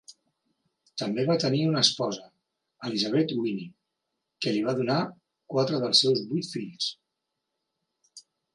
També va tenir una esposa, Elizabeth Whinny, que li va donar quatre dels seus vuit fills.